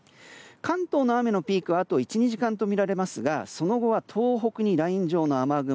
関東の雨のピークはあと１２時間とみられますがその後は東北にライン状の雨雲。